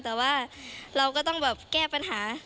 แต่ว่าเราก็ต้องแบบแก้ปัญหา